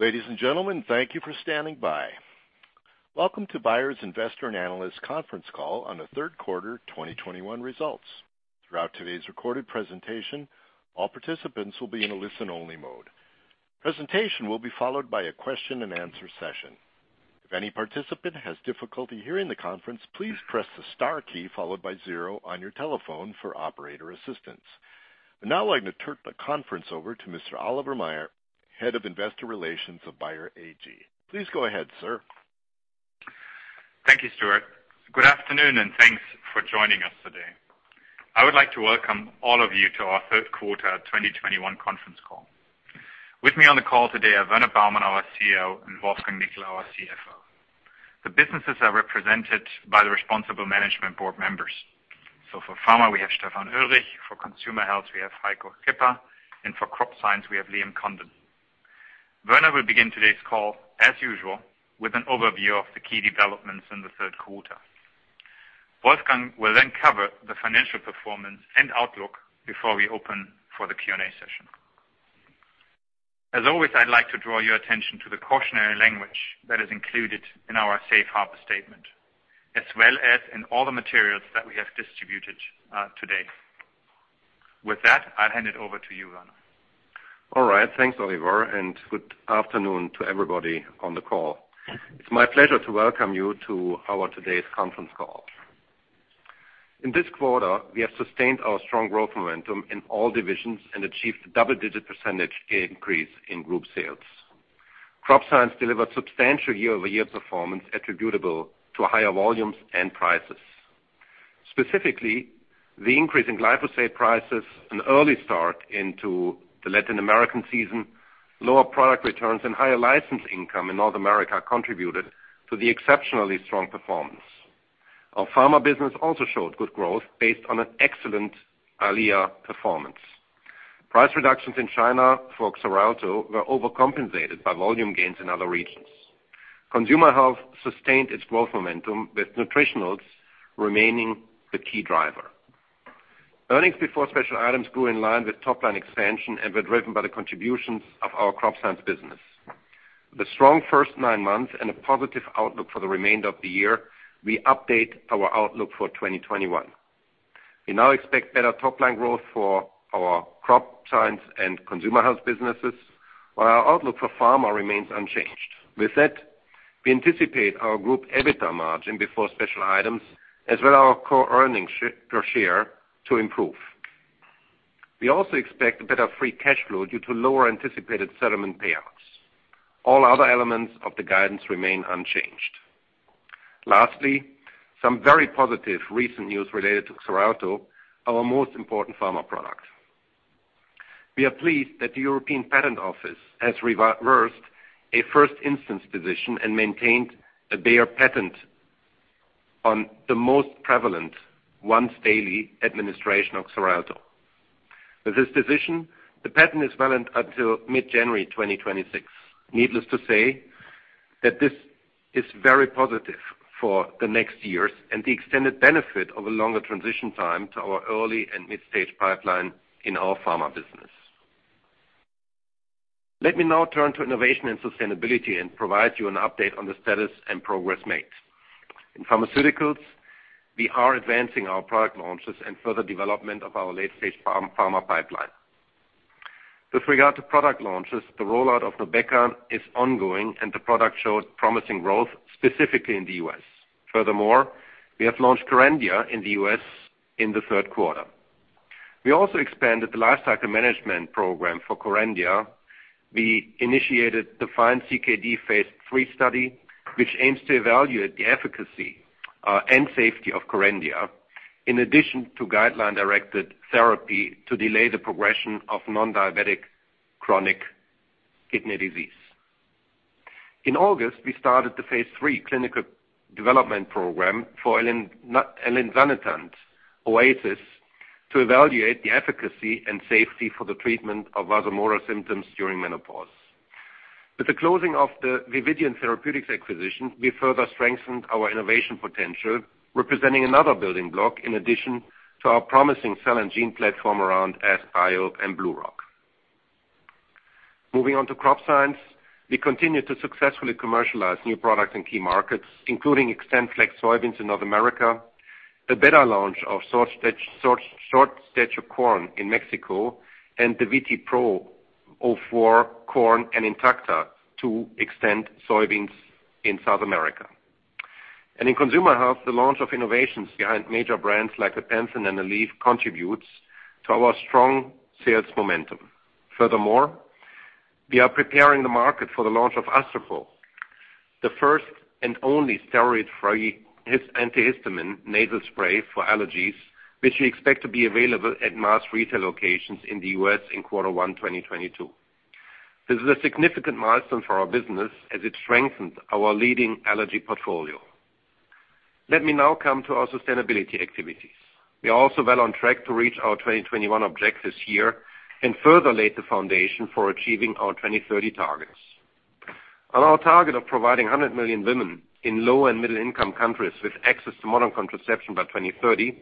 Ladies and gentlemen, thank you for standing by. Welcome to Bayer's Investor and Analyst Conference call on the third quarter 2021 results. Throughout today's recorded presentation, all participants will be in a listen-only mode. Presentation will be followed by a question-and-answer session. If any participant has difficulty hearing the conference, please press the star key followed by zero on your telephone for operator assistance. I'd now like to turn the conference over to Mr. Oliver Maier, Head of Investor Relations of Bayer AG. Please go ahead, sir. Thank you, Stuart. Good afternoon, and thanks for joining us today. I would like to welcome all of you to our third quarter 2021 conference call. With me on the call today are Werner Baumann, our CEO, and Wolfgang Nickl, our CFO. The businesses are represented by the responsible management board members. For Pharma, we have Stefan Oelrich, for Consumer Health, we have Heiko Schipper, and for Crop Science, we have Liam Condon. Werner will begin today's call, as usual, with an overview of the key developments in the third quarter. Wolfgang will then cover the financial performance and outlook before we open for the Q&A session. As always, I'd like to draw your attention to the cautionary language that is included in our safe harbor statement, as well as in all the materials that we have distributed today. With that, I'll hand it over to you, Werner. All right. Thanks, Oliver, and good afternoon to everybody on the call. It's my pleasure to welcome you to our today's conference call. In this quarter, we have sustained our strong growth momentum in all divisions and achieved double-digit percentage increase in group sales. Crop Science delivered substantial year-over-year performance attributable to higher volumes and prices. Specifically, the increase in glyphosate prices, an early start into the Latin American season, lower product returns, and higher license income in North America contributed to the exceptionally strong performance. Our Pharma business also showed good growth based on an excellent EYLEA performance. Price reductions in China for Xarelto were overcompensated by volume gains in other regions. Consumer Health sustained its growth momentum with Nutritionals remaining the key driver. Earnings before special items grew in line with top line expansion and were driven by the contributions of our Crop Science business. The strong first nine months and a positive outlook for the remainder of the year. We update our outlook for 2021. We now expect better top line growth for our Crop Science and Consumer Health businesses, while our outlook for Pharma remains unchanged. With that, we anticipate our group EBITDA margin before special items, as well as our core earnings per share to improve. We also expect a better free cash flow due to lower anticipated settlement payouts. All other elements of the guidance remain unchanged. Lastly, some very positive recent news related to Xarelto, our most important Pharma product. We are pleased that the European Patent Office has reversed a first instance position and maintained a Bayer patent on the most prevalent once-daily administration of Xarelto. With this decision, the patent is valid until mid-January 2026. Needless to say, that this is very positive for the next years and the extended benefit of a longer transition time to our early and mid-stage pipeline in our Pharma business. Let me now turn to innovation and sustainability and provide you an update on the status and progress made. In Pharmaceuticals, we are advancing our product launches and further development of our late-stage Pharma pipeline. With regard to product launches, the rollout of NUBEQA is ongoing, and the product showed promising growth, specifically in the U.S. Furthermore, we have launched KERENDIA in the U.S. in the third quarter. We also expanded the lifecycle management program for KERENDIA. We initiated the FIND-CKD phase III study, which aims to evaluate the efficacy and safety of KERENDIA, in addition to guideline-directed therapy to delay the progression of non-diabetic chronic kidney disease. In August, we started the phase III clinical development program for elinzanetant OASIS to evaluate the efficacy and safety for the treatment of vasomotor symptoms during menopause. With the closing of the Vividion Therapeutics acquisition, we further strengthened our innovation potential, representing another building block in addition to our promising cell and gene platform around AskBio and BlueRock Therapeutics. Moving on to Crop Science, we continue to successfully commercialize new products in key markets, including XtendFlex soybeans in North America, a better launch of short stature corn in Mexico, and the VT4PRO corn and Intacta 2 Xtend soybeans in South America. In Consumer Health, the launch of innovations behind major brands like Bepanthen and Aleve contributes to our strong sales momentum. Furthermore, we are preparing the market for the launch of Astepro, the first and only steroid-free antihistamine nasal spray for allergies, which we expect to be available at mass retail locations in the U.S. in Q1 2022. This is a significant milestone for our business as it strengthens our leading allergy portfolio. Let me now come to our sustainability activities. We are also well on track to reach our 2021 objectives here and further lay the foundation for achieving our 2030 targets. On our target of providing 100 million women in low- and middle-income countries with access to modern contraception by 2030,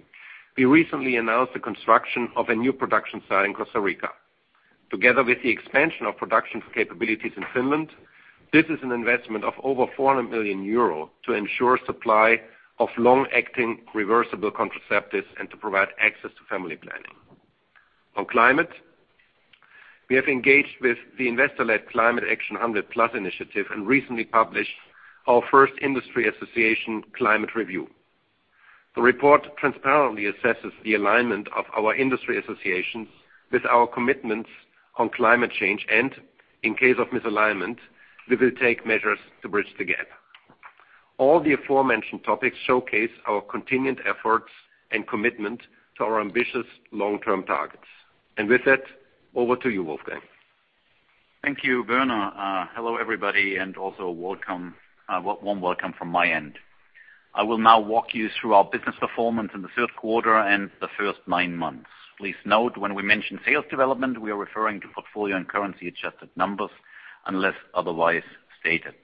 we recently announced the construction of a new production site in Costa Rica. Together with the expansion of production capabilities in Finland, this is an investment of over 400 million euro to ensure supply of long-acting reversible contraceptives and to provide access to family planning. On climate, we have engaged with the investor-led Climate Action 100+ initiative and recently published our first industry association climate review. The report transparently assesses the alignment of our industry associations with our commitments on climate change, and in case of misalignment, we will take measures to bridge the gap. All the aforementioned topics showcase our continued efforts and commitment to our ambitious long-term targets. With that, over to you, Wolfgang. Thank you, Werner. Hello, everybody, and also welcome. Warm welcome from my end. I will now walk you through our business performance in the third quarter and the first nine months. Please note, when we mention sales development, we are referring to portfolio and currency adjusted numbers unless otherwise stated.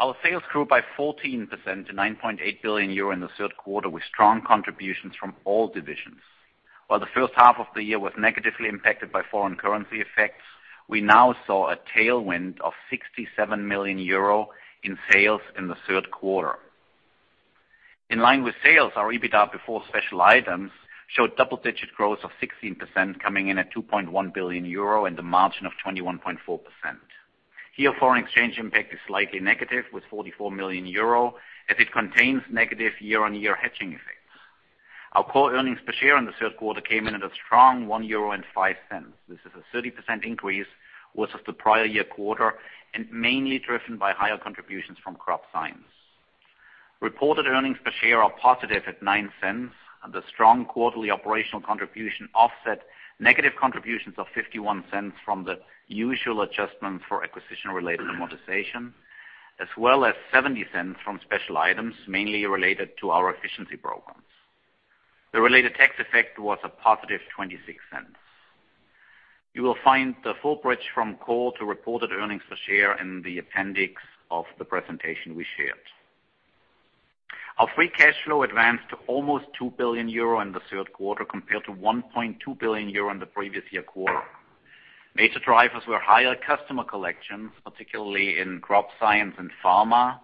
Our sales grew by 14% to 9.8 billion euro in the third quarter, with strong contributions from all divisions. While the first half of the year was negatively impacted by foreign currency effects, we now saw a tailwind of 67 million euro in sales in the third quarter. In line with sales, our EBITDA before special items showed double-digit growth of 16% coming in at 2.1 billion euro and a margin of 21.4%. Foreign exchange impact is slightly negative with 44 million euro, as it contains negative year-on-year hedging effects. Our core earnings per share in the third quarter came in at a strong 1.05 euro. This is a 30% increase versus the prior year quarter, and mainly driven by higher contributions from Crop Science. Reported earnings per share are positive at 0.09, and the strong quarterly operational contribution offset negative contributions of 0.51 from the usual adjustments for acquisition-related amortization, as well as 0.70 from special items, mainly related to our efficiency programs. The related tax effect was a positive 0.26. You will find the full bridge from core to reported earnings per share in the appendix of the presentation we shared. Our free cash flow advanced to almost 2 billion euro in the third quarter compared to 1.2 billion euro in the previous year quarter. Major drivers were higher customer collections, particularly in Crop Science and Pharma.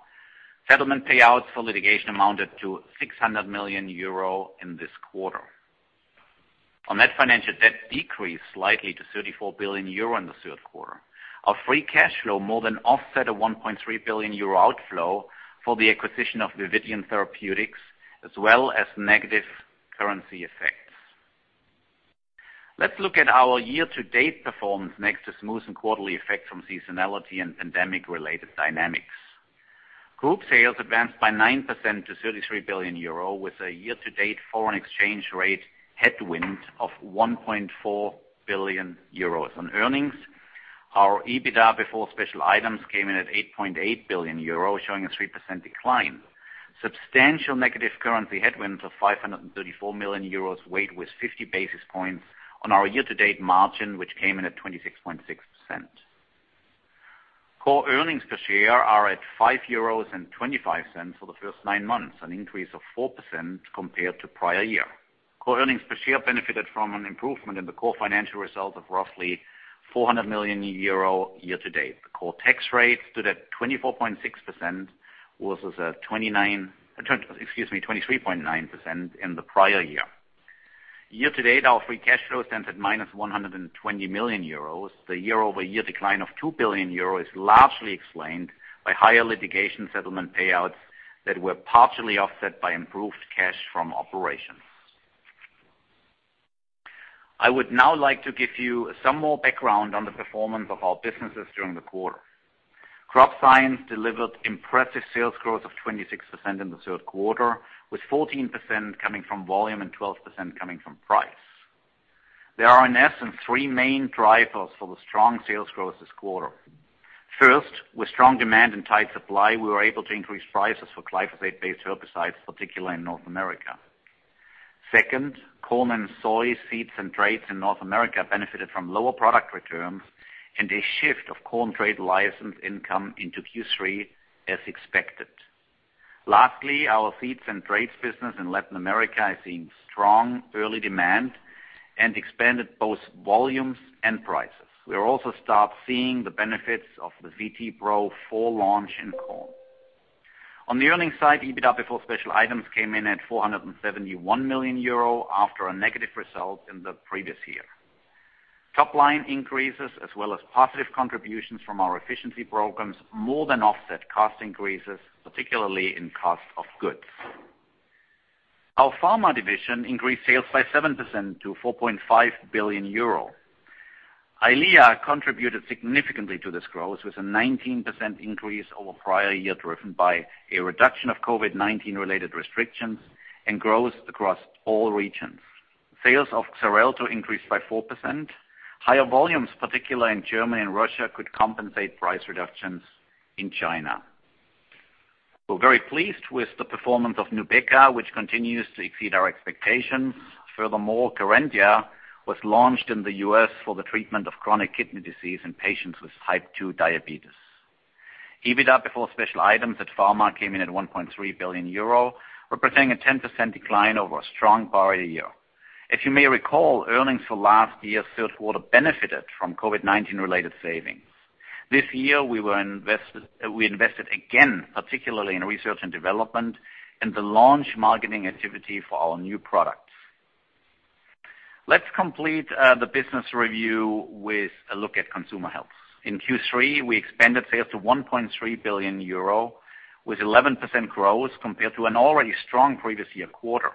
Settlement payouts for litigation amounted to 600 million euro in this quarter. On that financial debt decreased slightly to 34 billion euro in the third quarter. Our free cash flow more than offset a 1.3 billion euro outflow for the acquisition of Vividion Therapeutics, as well as negative currency effects. Let's look at our year-to-date performance next, to smooth out quarterly effects from seasonality and pandemic-related dynamics. Group sales advanced by 9% to 33 billion euro, with a year-to-date foreign exchange rate headwind of 1.4 billion euros. On earnings, our EBITDA before special items came in at 8.8 billion euro, showing a 3% decline. Substantial negative currency headwinds of 534 million euros weighed with 50 basis points on our year-to-date margin, which came in at 26.6%. Core earnings per share are at 5.25 euros for the first nine months, an increase of 4% compared to prior year. Core earnings per share benefited from an improvement in the core financial result of roughly 400 million euro year to date. The core tax rate stood at 24.6% versus 23.9% in the prior year. Year to date, our free cash flow stands at -120 million euros. The year-over-year decline of 2 billion euros is largely explained by higher litigation settlement payouts that were partially offset by improved cash from operations. I would now like to give you some more background on the performance of our businesses during the quarter. Crop Science delivered impressive sales growth of 26% in the third quarter, with 14% coming from volume and 12% coming from price. There are, in essence, three main drivers for the strong sales growth this quarter. First, with strong demand and tight supply, we were able to increase prices for glyphosate-based herbicides, particularly in North America. Second, corn and soy seeds and traits in North America benefited from lower product returns and a shift of corn trait license income into Q3 as expected. Lastly, our seeds and traits business in Latin America is seeing strong early demand and expanded both volumes and prices. We also start seeing the benefits of the VT4PRO full launch in corn. On the earnings side, EBITDA before special items came in at 471 million euro after a negative result in the previous year. Top line increases as well as positive contributions from our efficiency programs more than offset cost increases, particularly in cost of goods. Our Pharma division increased sales by 7% to 4.5 billion euro. EYLEA contributed significantly to this growth, with a 19% increase over prior year, driven by a reduction of COVID-19 related restrictions and growth across all regions. Sales of Xarelto increased by 4%. Higher volumes, particularly in Germany and Russia, could compensate price reductions in China. We're very pleased with the performance of NUBEQA, which continues to exceed our expectations. Furthermore, KERENDIA was launched in the U.S. for the treatment of chronic kidney disease in patients with type 2 diabetes. EBITDA before special items at Pharma came in at 1.3 billion euro, representing a 10% decline over a strong prior year. As you may recall, earnings for last year's third quarter benefited from COVID-19 related savings. This year we invested again, particularly in research and development and the launch marketing activity for our new products. Let's complete the business review with a look at Consumer Health. In Q3, we expanded sales to 1.3 billion euro with 11% growth compared to an already strong previous year quarter.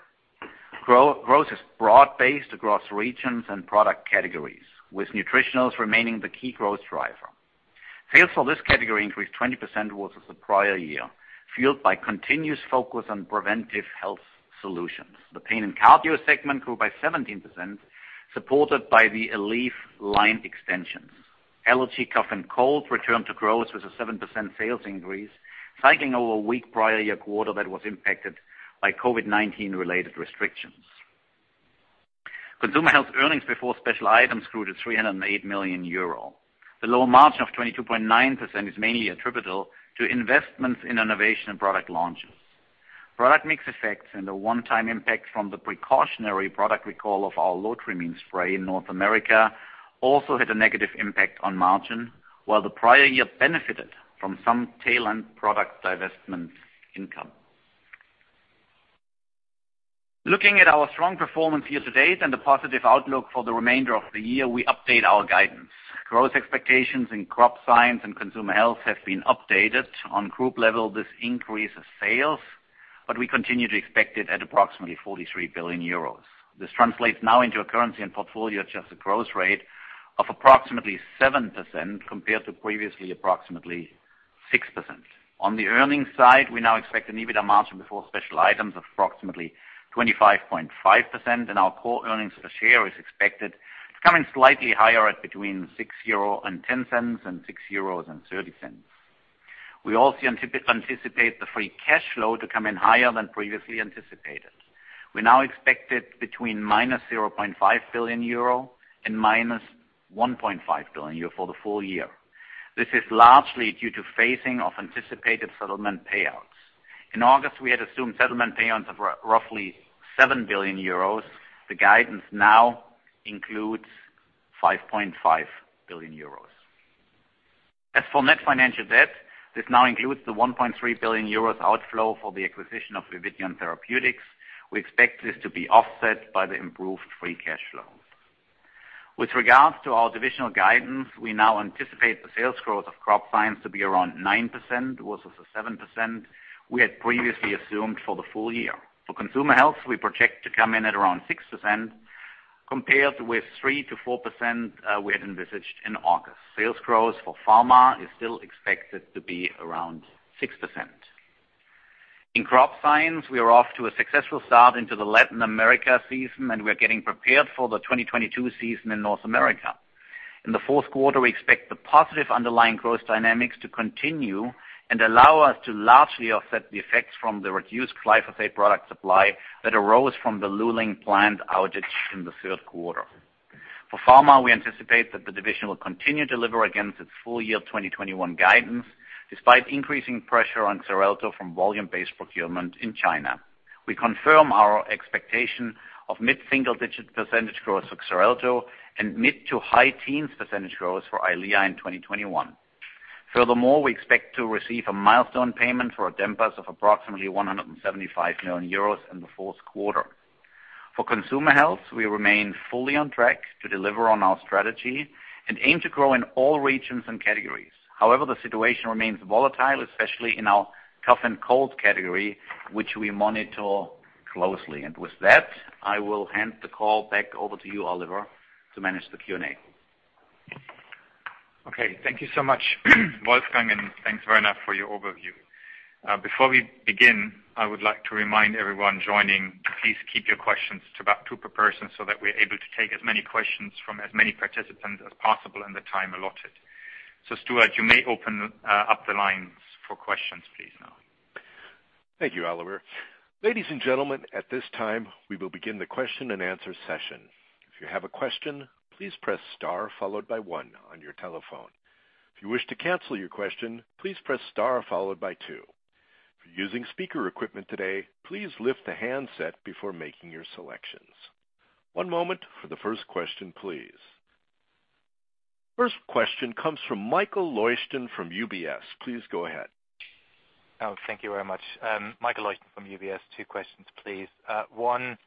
Growth is broad-based across regions and product categories, with Nutritionals remaining the key growth driver. Sales for this category increased 20% versus the prior year, fueled by continuous focus on preventive health solutions. The pain and cardio segment grew by 17%, supported by the Aleve line extensions. Allergy cough and cold returned to growth with a 7% sales increase, cycling over a weak prior year quarter that was impacted by COVID-19 related restrictions. Consumer Health earnings before special items grew to 308 million euro. The lower margin of 22.9% is mainly attributable to investments in innovation and product launches. Product mix effects and a one-time impact from the precautionary product recall of our Lotrimin spray in North America also had a negative impact on margin, while the prior year benefited from some tail-end product divestment income. Looking at our strong performance year-to-date and the positive outlook for the remainder of the year, we update our guidance. Growth expectations in Crop Science and Consumer Health have been updated. On group level, this increases sales, but we continue to expect it at approximately 43 billion euros. This translates now into a currency and portfolio-adjusted growth rate of approximately 7% compared to previously approximately 6%. On the earnings side, we now expect an EBITDA margin before special items of approximately 25.5%, and our core earnings per share is expected to come in slightly higher at between 6.10 euro and 6.30 euros. We also anticipate the free cash flow to come in higher than previously anticipated. We now expect it between -0.5 billion euro and -1.5 billion euro for the full year. This is largely due to phasing of anticipated settlement payouts. In August, we had assumed settlement payouts of roughly 7 billion euros. The guidance now includes 5.5 billion euros. As for net financial debt, this now includes the 1.3 billion euros outflow for the acquisition of Vividion Therapeutics. We expect this to be offset by the improved free cash flow. With regards to our divisional guidance, we now anticipate the sales growth of Crop Science to be around 9% versus the 7% we had previously assumed for the full year. For Consumer Health, we project to come in at around 6% compared with 3%-4%, we had envisaged in August. Sales growth for Pharma is still expected to be around 6%. In Crop Science, we are off to a successful start into the Latin America season, and we are getting prepared for the 2022 season in North America. In the fourth quarter, we expect the positive underlying growth dynamics to continue and allow us to largely offset the effects from the reduced glyphosate product supply that arose from the Luling plant outage in the third quarter. For Pharma, we anticipate that the division will continue to deliver against its full year 2021 guidance, despite increasing pressure on Xarelto from volume-based procurement in China. We confirm our expectation of mid-single-digit percentage growth for Xarelto and mid- to high-teens percentage growth for EYLEA in 2021. Furthermore, we expect to receive a milestone payment for Adempas of approximately 175 million euros in the fourth quarter. For Consumer Health, we remain fully on track to deliver on our strategy and aim to grow in all regions and categories. However, the situation remains volatile, especially in our cough and cold category, which we monitor closely. With that, I will hand the call back over to you, Oliver, to manage the Q&A. Okay, thank you so much, Wolfgang, and thanks very much for your overview. Before we begin, I would like to remind everyone joining to please keep your questions to about two per person so that we're able to take as many questions from as many participants as possible in the time allotted. Stuart, you may open up the lines for questions please now. Thank you, Oliver. Ladies and gentlemen, at this time, we will begin the question-and-answer session. If you have a question, please press star followed by one on your telephone. If you wish to cancel your question, please press star followed by two. If you're using speaker equipment today, please lift the handset before making your selections. One moment for the first question, please. First question comes from Michael Leuchten from UBS. Please go ahead. Oh, thank you very much. Michael Leuchten from UBS. Two questions, please. One,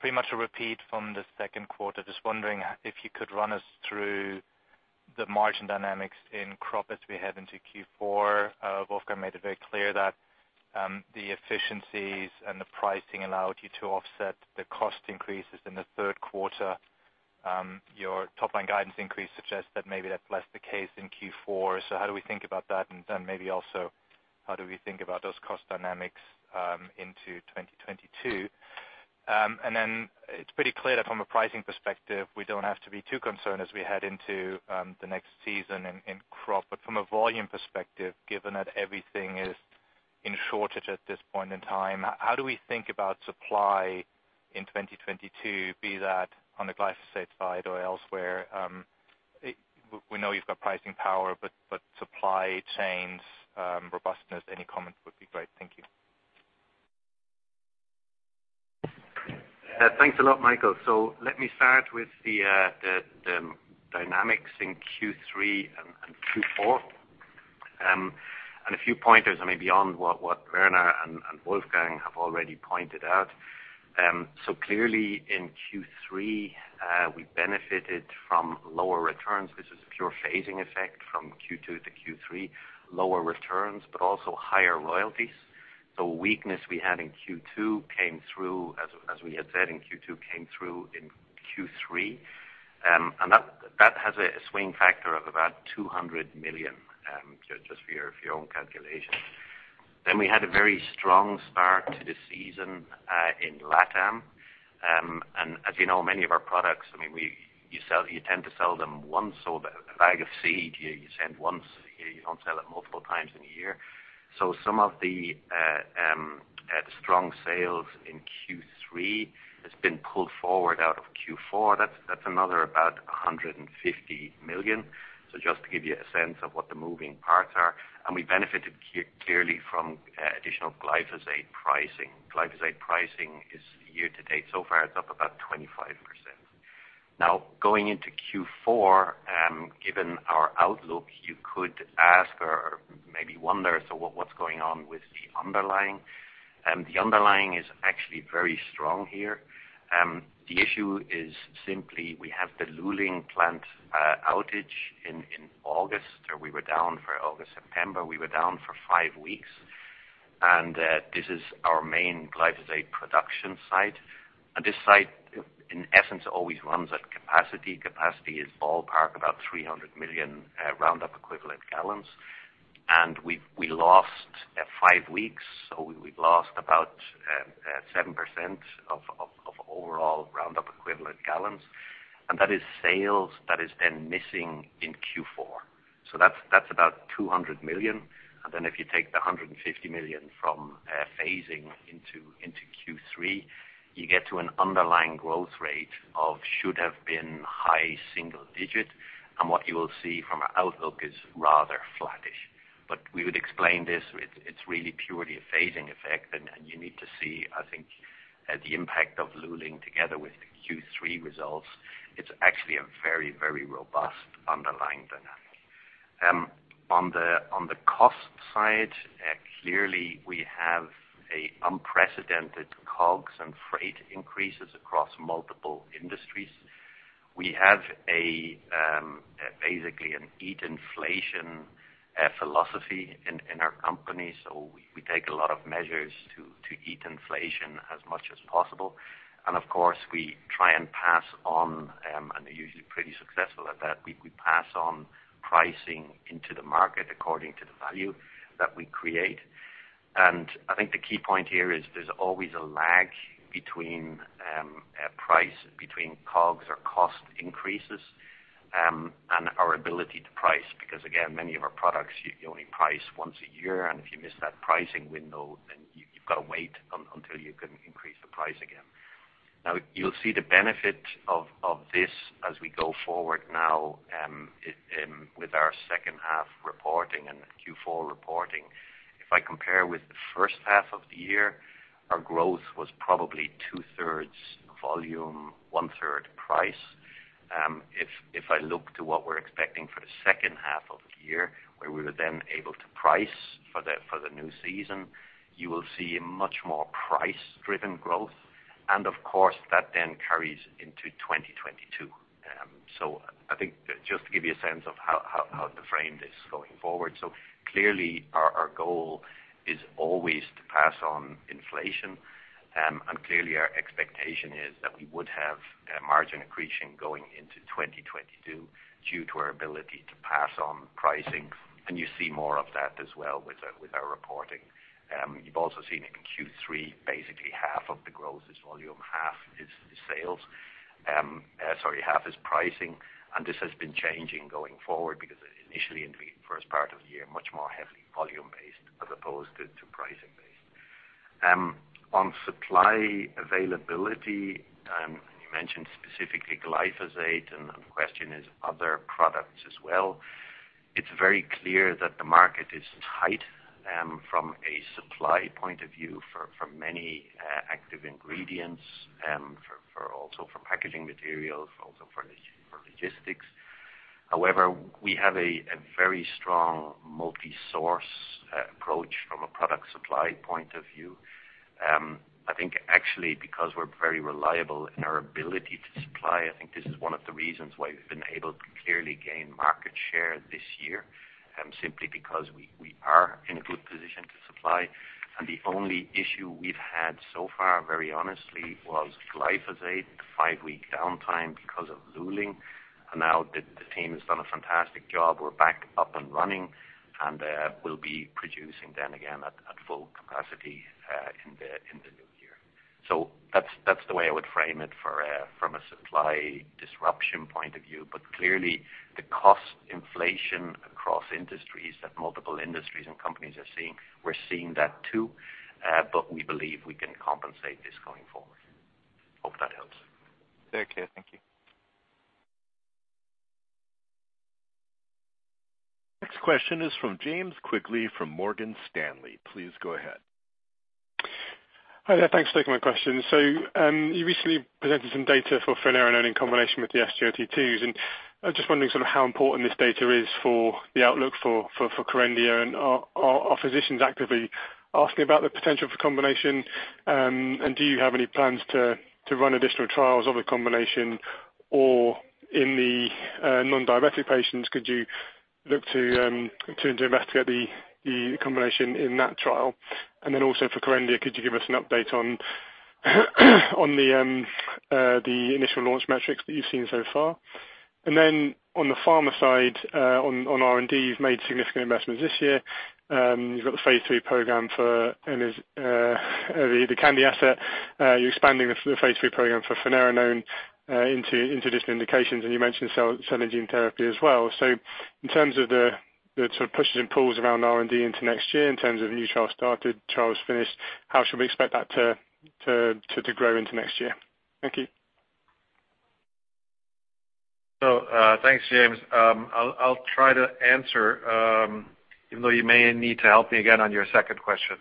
pretty much a repeat from the second quarter. Just wondering if you could run us through the margin dynamics in crop as we head into Q4. Wolfgang made it very clear that the efficiencies and the pricing allowed you to offset the cost increases in the third quarter. Your top line guidance increase suggests that maybe that's less the case in Q4. So how do we think about that? And then maybe also, how do we think about those cost dynamics into 2022? It's pretty clear that from a pricing perspective, we don't have to be too concerned as we head into the next season in crop. From a volume perspective, given that everything is in shortage at this point in time, how do we think about supply in 2022, be that on the glyphosate side or elsewhere? We know you've got pricing power, but supply chains robustness, any comments would be great. Thank you. Thanks a lot, Michael. Let me start with the dynamics in Q3 and Q4. A few pointers, I mean, beyond what Werner and Wolfgang have already pointed out. Clearly in Q3, we benefited from lower returns. This is a pure phasing effect from Q2 to Q3, lower returns, but also higher royalties. The weakness we had in Q2 came through as we had said in Q2, came through in Q3. That has a swing factor of about 200 million, just for your own calculations. We had a very strong start to the season in LATAM. As you know, many of our products, I mean, you tend to sell them once, or a bag of seed, you send once, you don't sell it multiple times in a year. Some of the strong sales in Q3 has been pulled forward out of Q4. That's another about 150 million. Just to give you a sense of what the moving parts are, we benefited clearly from additional glyphosate pricing. Glyphosate pricing is year to date, so far, it's up about 25%. Now, going into Q4, given our outlook, you could ask or maybe wonder, so what's going on with the underlying. The underlying is actually very strong here. The issue is simply we have the Luling Plant outage in August. We were down for August, September. We were down for five weeks. This is our main glyphosate production site. This site, in essence, always runs at capacity. Capacity is ballpark about 300 million Roundup equivalent gallons. We've lost five weeks, so we've lost about 7% of overall Roundup equivalent gallons. That is sales that has been missing in Q4. That's about 200 million. Then if you take the 150 million from phasing into Q3, you get to an underlying growth rate of should have been high single digit. What you will see from our outlook is rather flattish. We would explain this with it's really purely a phasing effect. You need to see, I think, the impact of Luling together with the Q3 results. It's actually a very, very robust underlying dynamic. On the cost side, clearly, we have an unprecedented COGS and freight increases across multiple industries. We have basically an eat inflation philosophy in our company. We take a lot of measures to eat inflation as much as possible. Of course, we try and pass on and are usually pretty successful at that. We pass on pricing into the market according to the value that we create. I think the key point here is there's always a lag between COGS or cost increases and our ability to price. Because again, many of our products, you only price once a year, and if you miss that pricing window, then you've got to wait until you can increase the price again. Now, you'll see the benefit of this as we go forward now with our second half reporting and Q4 reporting. If I compare with the first half of the year, our growth was probably two-thirds volume, one-third price. If I look to what we're expecting for the second half of the year, where we were then able to price for the new season, you will see a much more price-driven growth. Of course, that then carries into 2022. I think just to give you a sense of how to frame this going forward. Clearly, our goal is always to pass on inflation. Clearly our expectation is that we would have margin accretion going into 2022 due to our ability to pass on pricing. You see more of that as well with our reporting. You've also seen in Q3, basically half of the growth is volume, half is pricing, and this has been changing going forward because initially in the first part of the year, much more heavily volume-based as opposed to pricing-based. On supply availability, you mentioned specifically glyphosate and the question is other products as well. It's very clear that the market is tight from a supply point of view for many active ingredients, also for packaging materials, also for logistics. However, we have a very strong multi-source approach from a product supply point of view. I think actually, because we're very reliable in our ability to supply, I think this is one of the reasons why we've been able to clearly gain market share this year, simply because we are in a good position to supply. The only issue we've had so far, very honestly, was-Life has a five-week downtime because of Luling. Now the team has done a fantastic job. We're back up and running, and we'll be producing then again at full capacity in the new year. That's the way I would frame it from a supply disruption point of view. Clearly, the cost inflation across industries that multiple industries and companies are seeing, we're seeing that too, but we believe we can compensate this going forward. Hope that helps. Very clear. Thank you. Next question is from James Quigley from Morgan Stanley. Please go ahead. Hi there. Thanks for taking my question. You recently presented some data for finerenone in combination with the SGLT2s. I'm just wondering sort of how important this data is for the outlook for KERENDIA and are physicians actively asking about the potential for combination? Do you have any plans to run additional trials of the combination? Or in the non-diabetic patients, could you look to investigate the combination in that trial? For KERENDIA, could you give us an update on the initial launch metrics that you've seen so far? On the Pharma side, on R&D, you've made significant investments this year. You've got the phase III program for, and is, the KERENDIA asset. You're expanding the phase III program for finerenone into different indications, and you mentioned cell and gene therapy as well. In terms of the sort of pushes and pulls around R&D into next year, in terms of new trials started, trials finished, how should we expect that to grow into next year? Thank you. Thanks, James. I'll try to answer, even though you may need to help me again on your second question.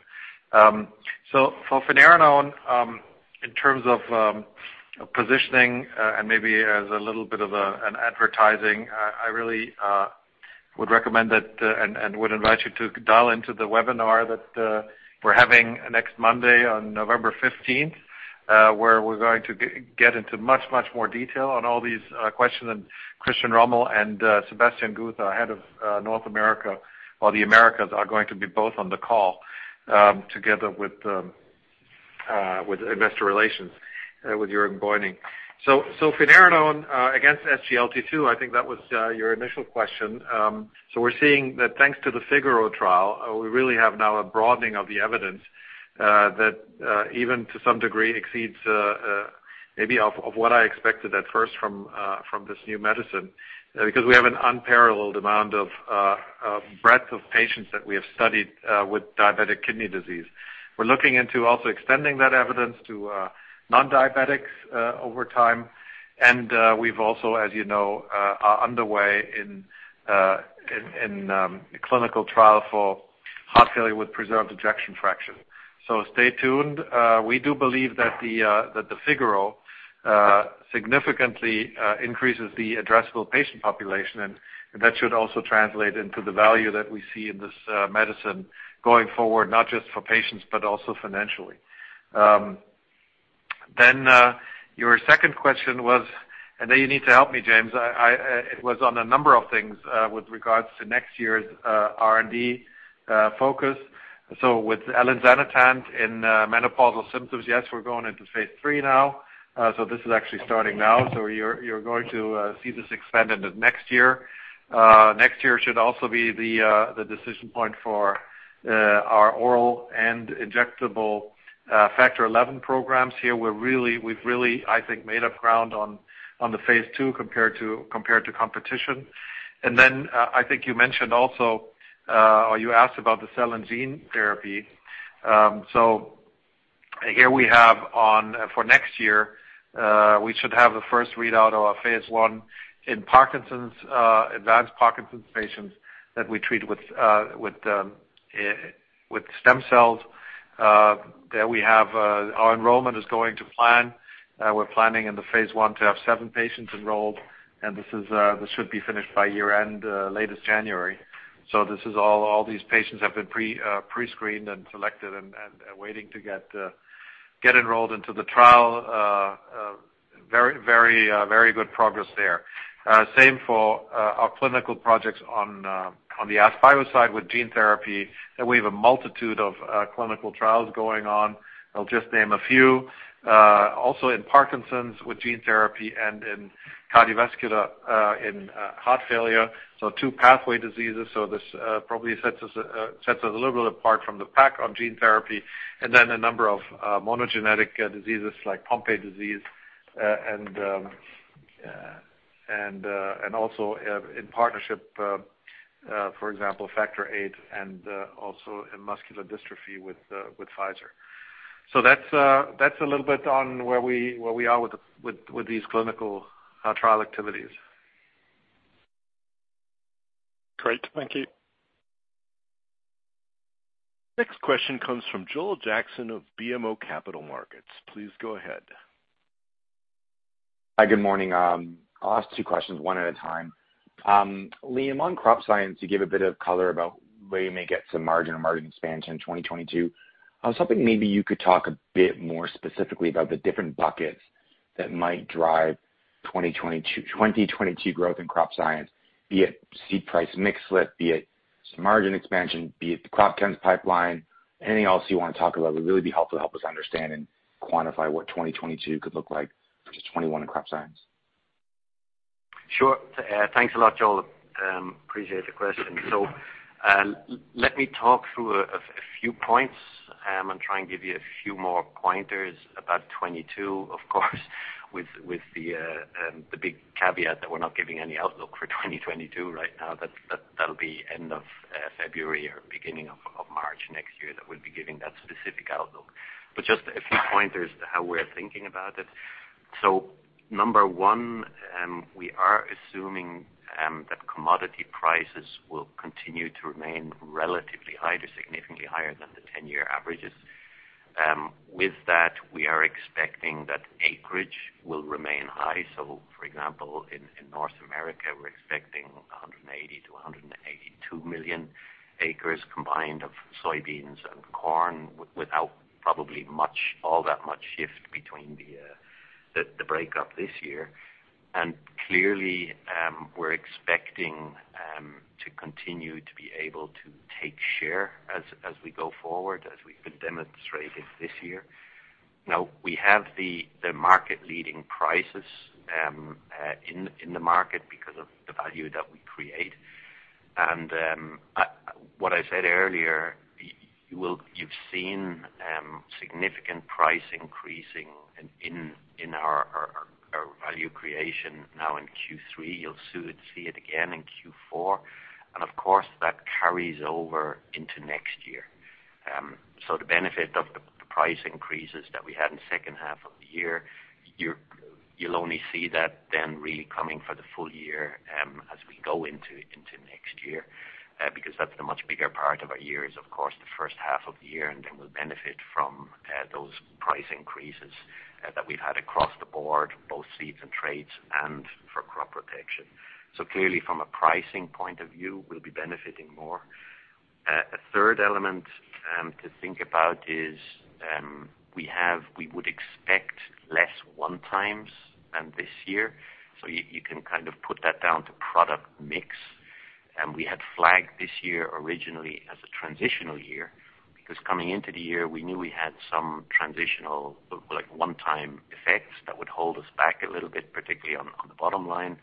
For finerenone, in terms of positioning, and maybe as a little bit of an advertising, I really would recommend that and would invite you to dial into the webinar that we're having next Monday on November fifteenth, where we're going to get into much more detail on all these questions. Christian Rommel and Sebastian Guth, our head of North America, or the Americas, are going to be both on the call, together with investor relations, with Jürgen Beunink. Finerenone against SGLT2, I think that was your initial question. We're seeing that thanks to the FIGARO trial, we really have now a broadening of the evidence, that even to some degree exceeds maybe of what I expected at first from this new medicine. Because we have an unparalleled amount of breadth of patients that we have studied with diabetic kidney disease. We're looking into also extending that evidence to non-diabetics over time. We've also, as you know, are underway in a clinical trial for heart failure with preserved ejection fraction. Stay tuned. We do believe that the FIGARO significantly increases the addressable patient population, and that should also translate into the value that we see in this medicine going forward, not just for patients, but also financially. Your second question was, and now you need to help me, James. It was on a number of things with regards to next year's R&D focus. With elinzanetant in menopausal symptoms, yes, we're going into phase III now. This is actually starting now. You're going to see this expand into next year. Next year should also be the decision point for our oral and injectable Factor XI programs here. We've really, I think, made up ground on the phase II compared to competition. I think you mentioned also or you asked about the cell and gene therapy. Here we have one for next year. We should have the first readout of our phase I in Parkinson's, advanced Parkinson's patients that we treat with stem cells. Our enrollment is going to plan. We're planning in the phase I to have seven patients enrolled, and this should be finished by year-end, latest January. All these patients have been pre-screened and selected and waiting to get enrolled into the trial. Very good progress there. Same for our clinical projects on the AskBio side with gene therapy. We have a multitude of clinical trials going on. I'll just name a few. Also, in Parkinson's with gene therapy and in cardiovascular, in heart failure, two pathway diseases. This probably sets us a little bit apart from the pack on gene therapy. Then a number of monogenic diseases like Pompe disease and also, in partnership, for example, Factor VIII and also in muscular dystrophy with Pfizer. That's a little bit on where we are with these clinical trial activities. Great. Thank you. Next question comes from Joel Jackson of BMO Capital Markets. Please go ahead. Hi, good morning. I'll ask two questions one at a time. Liam, on Crop Science, you gave a bit of color about where you may get some margin or margin expansion in 2022. I was hoping maybe you could talk a bit more specifically about the different buckets that might drive 2022 growth in Crop Science, be it seed price mix shift, be it margin expansion, be it the Crop Science pipeline, anything else you wanna talk about would really be helpful to help us understand and quantify what 2022 could look like versus 2021 in Crop Science. Sure. Thanks a lot, Joel. Appreciate the question. Let me talk through a few points, and try and give you a few more pointers about 2022, of course, with the big caveat that we're not giving any outlook for 2022 right now. That'll be end of February or beginning of March next year that we'll be giving that specific outlook. Just a few pointers to how we're thinking about it. Number one, we are assuming that commodity prices will continue to remain relatively high to significantly higher than the 10-year averages. With that, we are expecting that acreage will remain high. For example, in North America, we're expecting 180-182 million acres combined of soybeans and corn without probably much... All that much shift between the breakup this year. Clearly, we're expecting to continue to be able to take share as we go forward, as we've been demonstrating this year. Now, we have the market leading prices in the market because of the value that we create. What I said earlier, you've seen significant price increases in our value creation now in Q3. You'll soon see it again in Q4. Of course, that carries over into next year. The benefit of the price increases that we had in second half of the year, you'll only see that then really coming for the full year, as we go into next year, because that's the much bigger part of our year is of course the first half of the year, and then we'll benefit from those price increases that we've had across the board, both seeds and traits and for crop protection. Clearly from a pricing point of view, we'll be benefiting more. A third element to think about is we would expect less one-offs than this year. You can kind of put that down to product mix. We had flagged this year originally as a transitional year because coming into the year, we knew we had some transitional, like, one-time effects that would hold us back a little bit, particularly on the bottom line.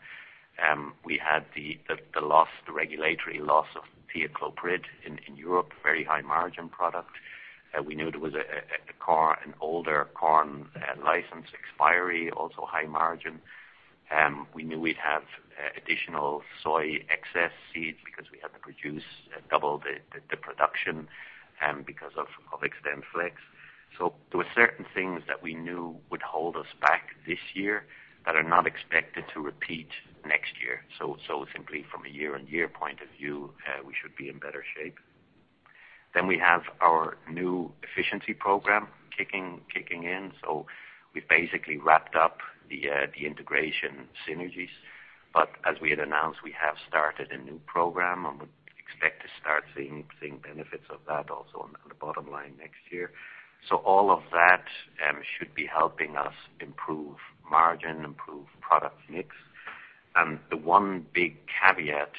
We had the regulatory loss of thiacloprid in Europe, a very high margin product. We knew there was an older corn license expiry, also high margin. We knew we'd have additional soy excess seeds because we had to produce double the production because of XtendFlex. Simply from a year-on-year point of view, we should be in better shape. We have our new efficiency program kicking in. We've basically wrapped up the integration synergies. As we had announced, we have started a new program and would expect to start seeing benefits of that also on the bottom-line next year. All of that should be helping us improve margin, improve product mix. The one big caveat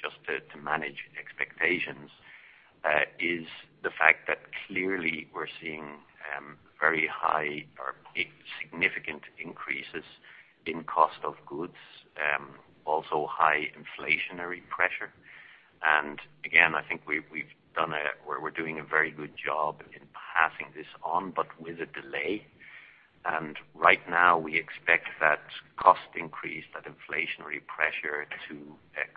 just to manage expectations is the fact that clearly we're seeing very high or significant increases in cost of goods also high inflationary pressure. Again, I think we're doing a very good job in passing this on, but with a delay. Right now, we expect that cost increase, that inflationary pressure to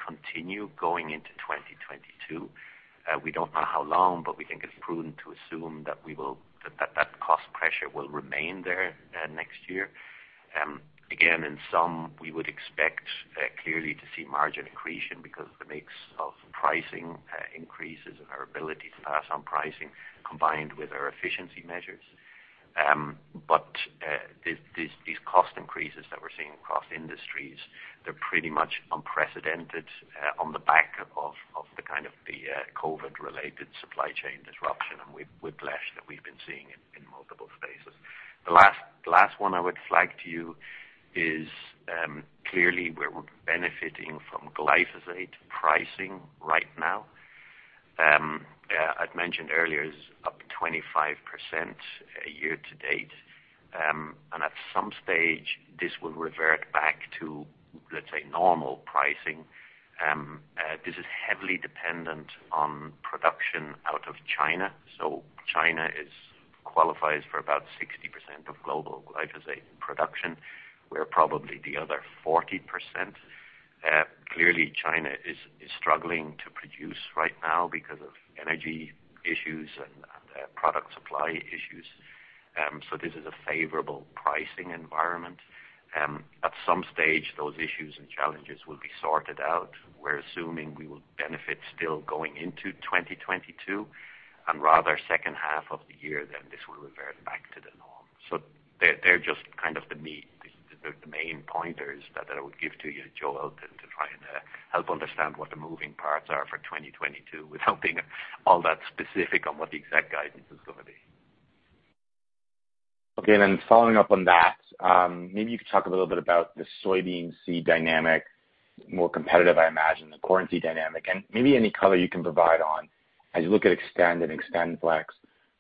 continue going into 2022. We don't know how long, but we think it's prudent to assume that cost pressure will remain there next year. Again, in sum, we would expect clearly to see margin accretion because of the mix of pricing increases and our ability to pass on pricing combined with our efficiency measures. These cost increases that we're seeing across industries, they're pretty much unprecedented on the back of the kind of COVID related supply chain disruption and whiplash that we've been seeing in multiple spaces. The last one I would flag to you is clearly we're benefiting from glyphosate pricing right now. I'd mentioned earlier, this is up 25% year-to-date. At some stage, this will revert back to, let's say, normal pricing. This is heavily dependent on production out of China. China qualifies for about 60% of global glyphosate production. We're probably the other 40%. Clearly China is struggling to produce right now because of energy issues and product supply issues. This is a favorable pricing environment. At some stage, those issues and challenges will be sorted out. We're assuming we will benefit still going into 2022, and rather second half of the year, then this will revert back to the norm. They're just kind of the main pointers that I would give to you, Joel, to try and help understand what the moving parts are for 2022 without being all that specific on what the exact guidance is gonna be. Okay, following up on that, maybe you could talk a little bit about the soybean seed dynamic, more competitive, I imagine, the corn seed dynamic and maybe any color you can provide on as you look at Xtend and XtendFlex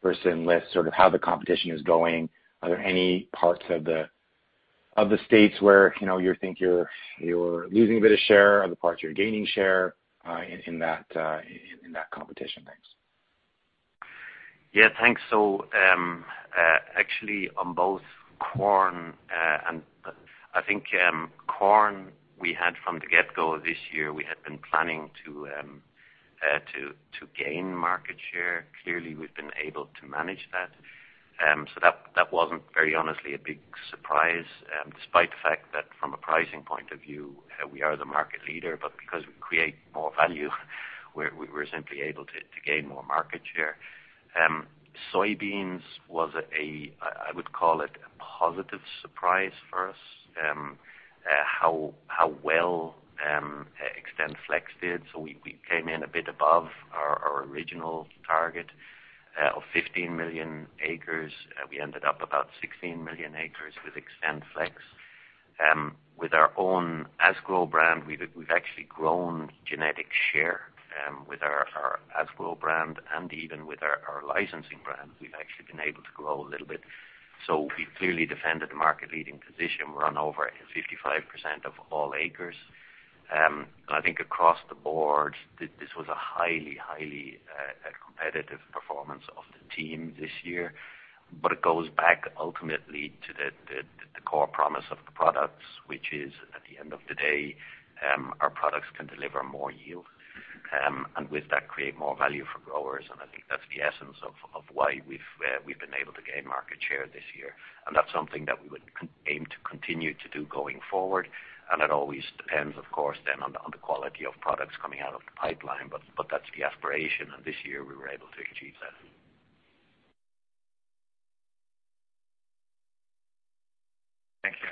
versus Enlist, sort of how the competition is going. Are there any parts of the states where, you know, you think you're losing a bit of share? Are there parts you're gaining share in that competition? Thanks. Yeah, thanks. Actually, on both corn and I think corn we had from the get-go this year, we had been planning to gain market share. Clearly, we've been able to manage that. That wasn't very honestly a big surprise, despite the fact that from a pricing point of view, we are the market leader, but because we create more value, we're simply able to gain more market share. Soybeans was a, I would call it a positive surprise for us how well XtendFlex did. We came in a bit above our original target of 15 million acres. We ended up about 16 million acres with XtendFlex. With our own Asgrow brand, we've actually grown genetic share with our Asgrow brand and even with our licensing brand, we've actually been able to grow a little bit. We've clearly defended the market-leading position, run over 55% of all acres. I think across the board, this was a highly competitive performance of the team this year. It goes back ultimately to the core promise of the products, which is at the end of the day, our products can deliver more yield and with that, create more value for growers. I think that's the essence of why we've been able to gain market share this year. That's something that we would aim to continue to do going forward. It always depends, of course, then on the quality of products coming out of the pipeline, but that's the aspiration, and this year we were able to achieve that. Thank you.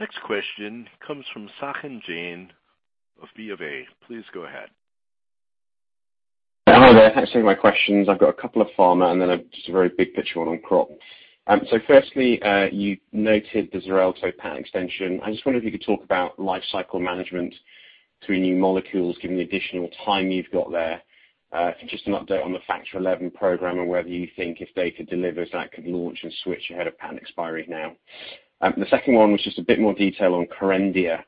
Next question comes from Sachin Jain of Bank of America. Please go ahead. Hi there. Thanks for taking my questions. I've got a couple of Pharma and then just a very big picture one on Crop. First, you noted the Xarelto patent extension. I just wondered if you could talk about life cycle management to your new molecules, given the additional time you've got there, just an update on the Factor XI program and whether you think if data delivers that could launch and switch ahead of patent expiry now. The second one was just a bit more detail on KERENDIA,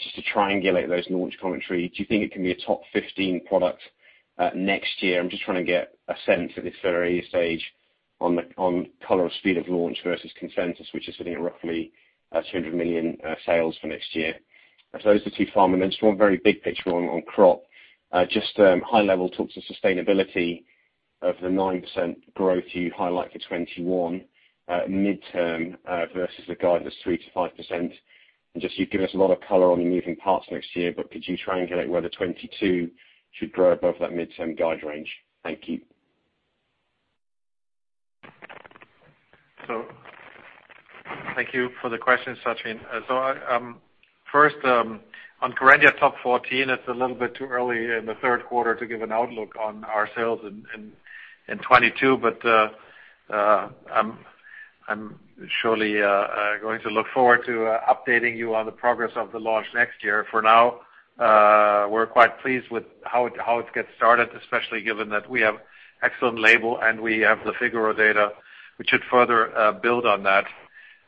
just to triangulate those launch commentary. Do you think it can be a top 15 product next year? I'm just trying to get a sense at this very early stage on the color or speed of launch versus consensus, which is sitting at roughly 200 million sales for next year. Those are two pharma, and then just one very big picture on crop. High-level talks of sustainability of the 9% growth you highlight for 2021, midterm, versus the guidance 3%-5%. Just you've given us a lot of color on the moving parts next year, but could you triangulate whether 2022 should grow above that midterm guide range? Thank you. Thank you for the question, Sachin. First, on KERENDIA topline, it's a little bit too early in the third quarter to give an outlook on our sales in 2022. I'm surely going to look forward to updating you on the progress of the launch next year. For now, we're quite pleased with how it gets started, especially given that we have excellent label and we have the FIGARO data, which should further build on that.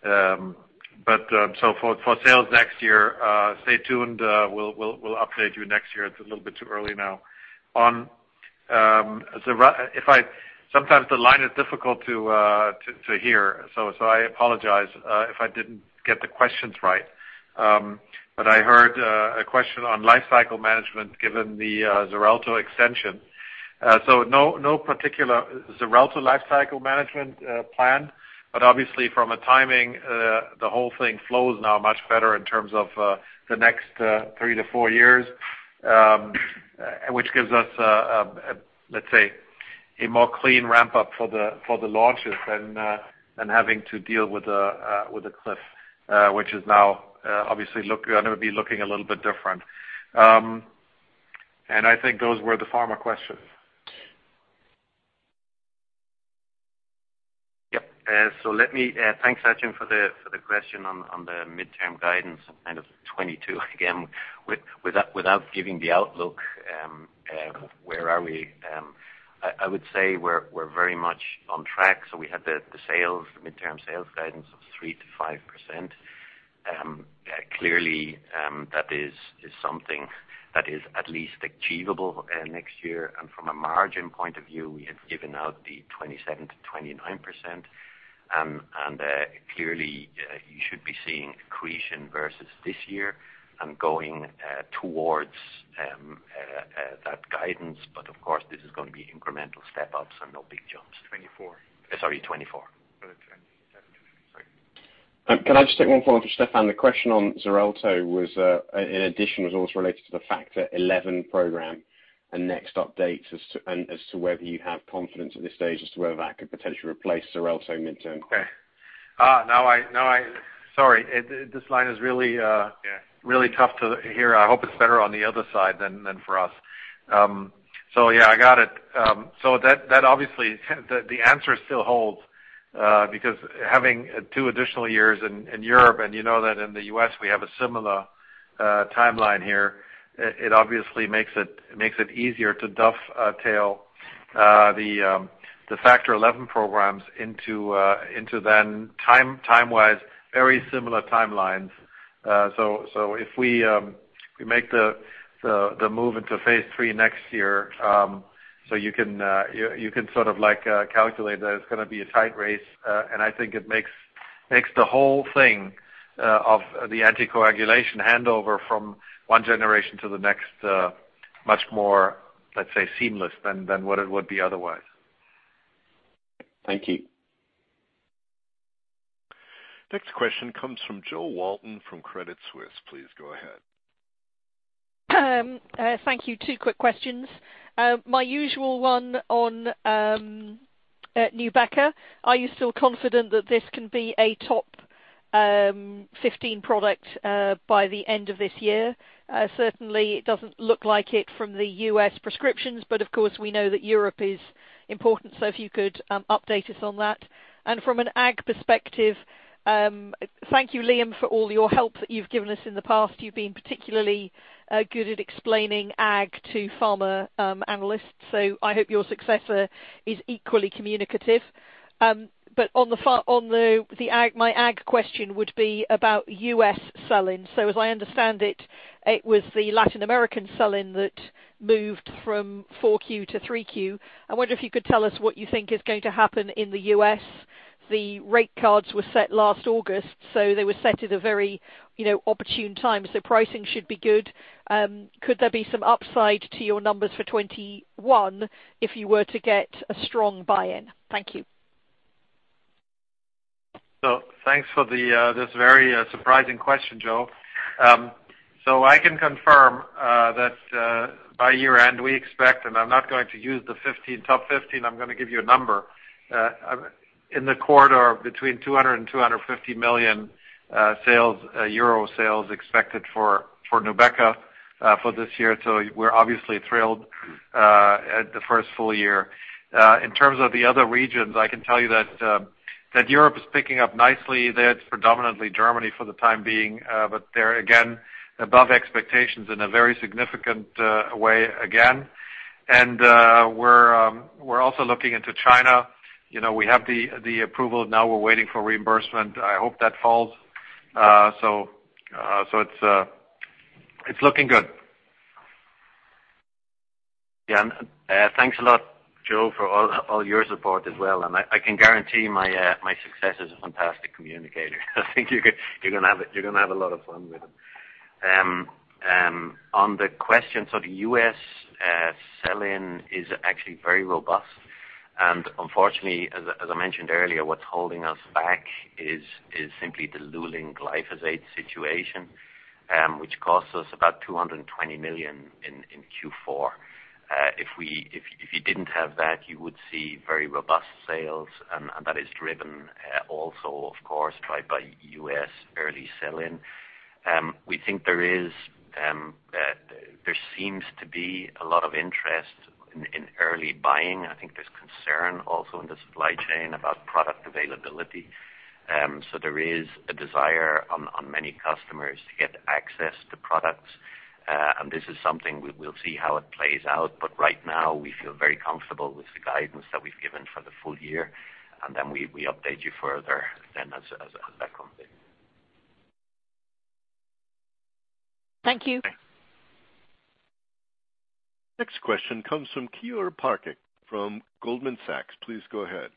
For sales next year, stay tuned. We'll update you next year. It's a little bit too early now. Sometimes the line is difficult to hear, so I apologize if I didn't get the questions right. I heard a question on life cycle management given the Xarelto extension. No particular Xarelto life cycle management plan, but obviously from a timing, the whole thing flows now much better in terms of the next three to four years, which gives us, let's say, a more clean ramp up for the launches than having to deal with the cliff, which is now obviously gonna be looking a little bit different. I think those were the Pharma questions. Yep. Let me thank Sachin for the question on the midterm guidance and kind of 2022 again. Without giving the outlook, where are we? I would say we're very much on track. We have the mid-term sales guidance of 3%-5%. Clearly, that is something that is at least achievable next year. From a margin point of view, we have given out the 27%-29%. Clearly, you should be seeing accretion versus this year and going towards that guidance. Of course, this is gonna be incremental step-ups and no big jumps. 24. Sorry, 24. Rather than 27-3. Can I just take one follow-up for Stefan? The question on Xarelto was, in addition, also related to the Factor XI program and next updates as to whether you have confidence at this stage as to whether that could potentially replace Xarelto midterm. Sorry, this line is really Yeah. It's really tough to hear. I hope it's better on the other side than for us. Yeah, I got it. That obviously the answer still holds, because having two additional years in Europe, and you know that in the U.S. we have a similar timeline here, it obviously makes it easier to dovetail the Factor XI programs into then time-wise, very similar timelines. If we make the move into phase III next year, you can sort of like calculate that it's gonna be a tight race. I think it makes the whole thing of the anticoagulation handover from one generation to the next much more, let's say, seamless than what it would be otherwise. Thank you. Next question comes from Jo Walton from Credit Suisse. Please go ahead. Thank you. Two quick questions. My usual one on NUBEQA. Are you still confident that this can be a top 15 product by the end of this year? Certainly, it doesn't look like it from the U.S. prescriptions, but of course, we know that Europe is important. If you could update us on that. From an ag perspective, thank you, Liam, for all your help that you've given us in the past. You've been particularly good at explaining ag to pharma analysts. I hope your successor is equally communicative. But on the ag, my ag question would be about U.S. sell-in. As I understand it was the Latin American sell-in that moved from Q4 to Q3. I wonder if you could tell us what you think is going to happen in the U.S. The rate cards were set last August, so they were set at a very, you know, opportune time, so pricing should be good. Could there be some upside to your numbers for 2021 if you were to get a strong buy-in? Thank you. Thanks for this very surprising question, Jo. I can confirm that by year-end, we expect, and I'm not going to use the top fifteen, I'm gonna give you a number. For the quarter, between 200 million and 250 million euro sales expected for NUBEQA for this year. We're obviously thrilled at the first full year. In terms of the other regions, I can tell you that Europe is picking up nicely. That's predominantly Germany for the time being, but they're again above expectations in a very significant way again. We're also looking into China. You know, we have the approval. Now we're waiting for reimbursement. I hope that follows. It's looking good. Yeah. Thanks a lot, Jo, for all your support as well. I can guarantee my successor is a fantastic communicator. I think you're gonna have a lot of fun with him. On the question, the U.S. sell-in is actually very robust. Unfortunately, as I mentioned earlier, what's holding us back is simply the ruling glyphosate situation, which costs us about 220 million in Q4. If you didn't have that, you would see very robust sales and that is driven also of course driven by U.S. early sell-in. We think there seems to be a lot of interest in early buying. I think there's concern also in the supply chain about product availability. There is a desire on many customers to get access to products. This is something we'll see how it plays out, but right now we feel very comfortable with the guidance that we've given for the full year. Then we update you further then as that comes in. Thank you. Thanks. Next question comes from Keyur Parekh from Goldman Sachs. Please go ahead.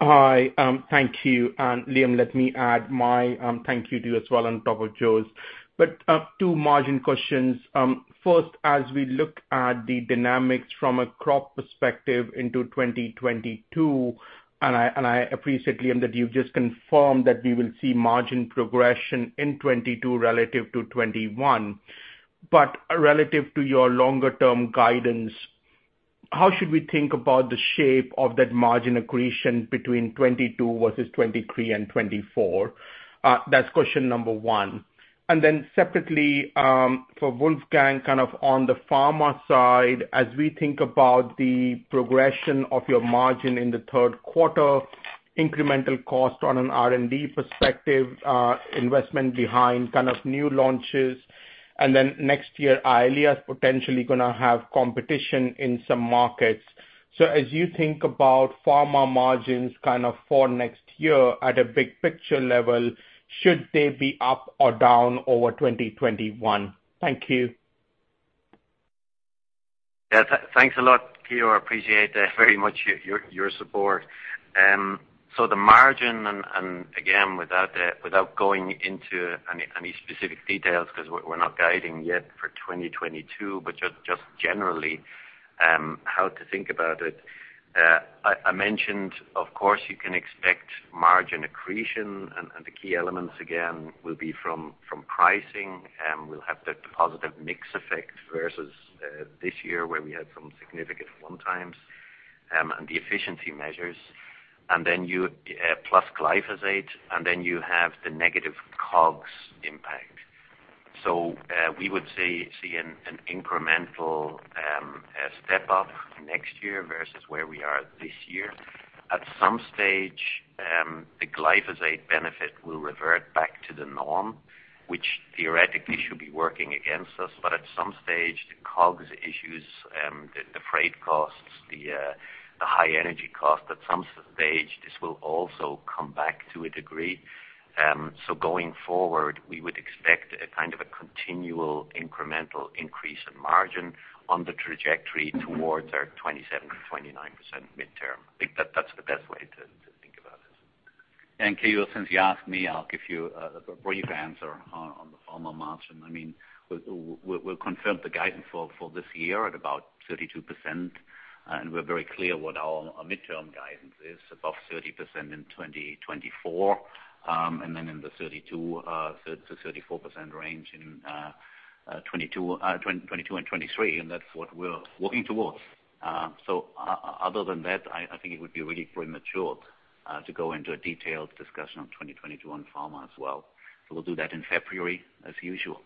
Hi, thank you. Liam, let me add my thank you to you as well on top of Jo's. Two margin questions. First, as we look at the dynamics from a crop perspective into 2022, and I appreciate, Liam, that you've just confirmed that we will see margin progression in 2022 relative to 2021. Relative to your longer-term guidance, how should we think about the shape of that margin accretion between 2022 versus 2023 and 2024? That's question number one. Separately, for Wolfgang, kind of on the pharma side, as we think about the progression of your margin in the third quarter, incremental cost on an R&D perspective, investment behind kind of new launches. Next year, EYLEA is potentially gonna have competition in some markets. As you think about pharma margins kind of for next year at a big picture level, should they be up or down over 2021? Thank you. Thanks a lot, Keyur. Appreciate very much your support. The margin and again, without going into any specific details, 'cause we're not guiding yet for 2022, but just generally, how to think about it. I mentioned of course you can expect margin accretion. The key elements again will be from pricing, and we'll have the positive mix effect versus this year where we had some significant one-offs and the efficiency measures. Plus, glyphosate, and then you have the negative COGS impact. We would see an incremental step-up next year versus where we are this year. At some stage, the glyphosate benefit will revert back to the norm, which theoretically should be working against us. At some stage, the COGS issues, the freight costs, the high energy cost, this will also come back to a degree. Going forward, we would expect a kind of a continual incremental increase in margin on the trajectory towards our 27%-29% midterm. I think that's the best way to think about it. Thank you. Since you asked me, I'll give you a brief answer on the Pharma margin. I mean, we'll confirm the guidance for this year at about 32%. We're very clear what our midterm guidance is, above 30% in 2024, and then in the 32%-34% range in 2022 and 2023, and that's what we're working towards. Other than that, I think it would be really premature to go into a detailed discussion on 2022 on Pharma as well. We'll do that in February as usual.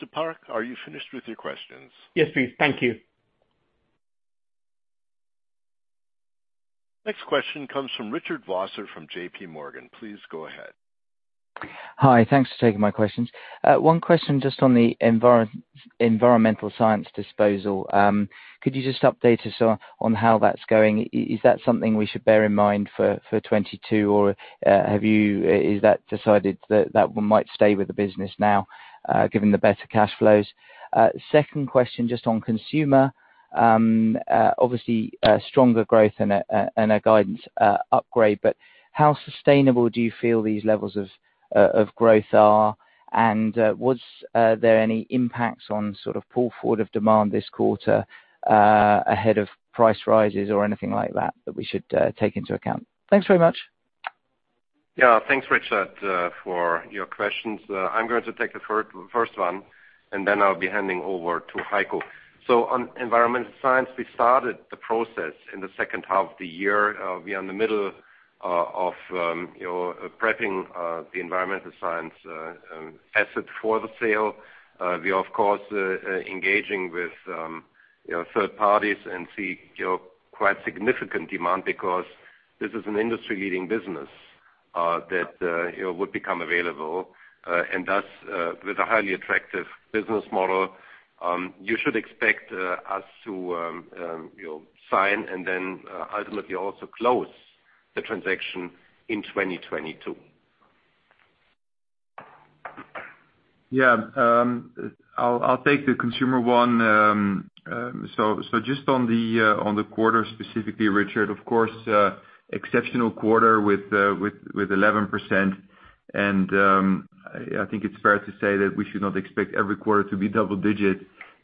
Mr. Parekh, are you finished with your questions? Yes, please. Thank you. Next question comes from Richard Vosser from JPMorgan. Please go ahead. Hi. Thanks for taking my questions. One question just on the Environmental Science disposal. Could you just update us on how that's going? Is that something we should bear in mind for 2022, or have you decided that that one might stay with the business now, given the better cash flows? Second question just on consumer. Obviously, stronger growth and a guidance upgrade, but how sustainable do you feel these levels of growth are? Was there any impacts on sort of pull forward of demand this quarter, ahead of price rises or anything like that that we should take into account? Thanks very much. Yeah. Thanks, Richard, for your questions. I'm going to take the first one, and then I'll be handing over to Heiko. On Environmental Science, we started the process in the second half of the year. We are in the middle of, you know, prepping the Environmental Science asset for the sale. We are of course engaging with, you know, third parties and we see, you know, quite significant demand because this is an industry-leading business that, you know, would become available and thus with a highly attractive business model, you should expect us to, you know, sign and then ultimately also close the transaction in 2022. Yeah. I'll take the consumer one. So just on the quarter specifically, Richard, of course, exceptional quarter with 11%. I think it's fair to say that we should not expect every quarter to be double digit.